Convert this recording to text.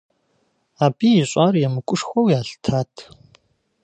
Абы ищӀар емыкӀушхуэу ялъытат.